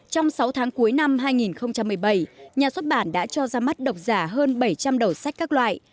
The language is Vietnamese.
trong sáu tháng cuối năm hai nghìn một mươi bảy nhà xuất bản đã cho ra mắt độc giả hơn bảy trăm linh đầu sách các loại